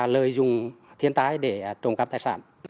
tôi dùng thiên tai để trồng các tài sản